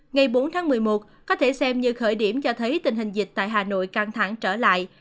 ngày bốn tháng một mươi một có thể xem như khởi điểm cho thấy tình hình dịch tại hà nội căng thẳng trở lại